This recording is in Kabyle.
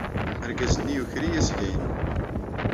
Argaz-nni yuker-iyi asga-inu.